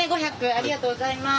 ありがとうございます。